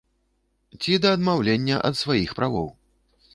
Ці да адмаўлення ад сваіх правоў.